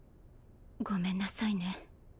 ごめんなさいね。